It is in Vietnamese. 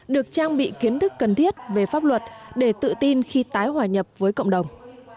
được trang bị kiến thức cần thiết về pháp luật để tự tin khi tái hòa nhập với cộng đồng